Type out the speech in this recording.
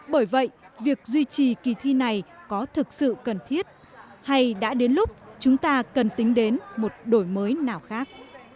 bởi vậy việc duy trì kỳ thi này có thực sự cần thiết hay đã đến lúc chúng ta cần tính đến một đổi mới nào khác